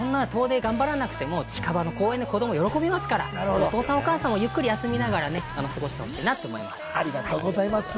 遠くで頑張らなくても、近場でいろいろありますから、お父さんやお母さんもゆっくり休みながら過ごしてほしいと思います。